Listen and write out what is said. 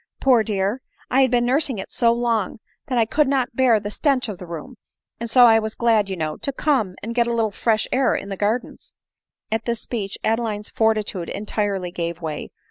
Poor dear! I had been nursing it so long that I could not bear the stench of the room, and so I was glad, you know, to come and get a little fresh air in the gardens." At this speech Adeline's fortitude entirely gave way.